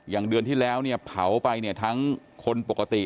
อย่างเดือนที่แล้วเผาไปทั้งคนปกติ